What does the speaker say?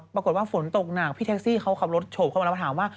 ปรากฏว่าฝนตกหนักพี่แท็กซี่เขาขับรถโฉบเข้ามาแล้วมาถามว่า